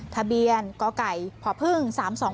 ทะเบียนกไก่พพ๓๒